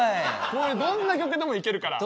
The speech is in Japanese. これどんな曲でもいけるから。